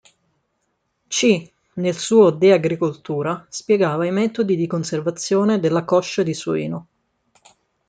C. nel suo De Agricoltura spiegava i metodi di conservazione della coscia di suino.